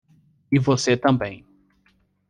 E você também.